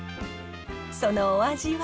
そのお味は？